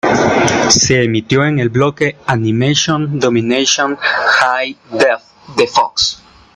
Se emitió en el bloque de "Animation Domination High Def" de Fox.